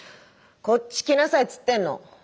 こっち来なさいっつってんの。